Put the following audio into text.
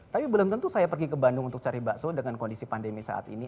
tapi belum tentu saya pergi ke bandung untuk cari bakso dengan kondisi pandemi saat ini